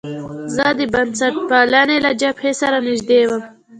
زه د بنسټپالنې له جبهې سره نژدې وم.